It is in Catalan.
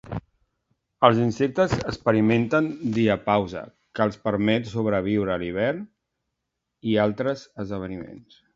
Els insectes experimenten diapausa, que els permet sobreviure a l'hivern i altres esdeveniments.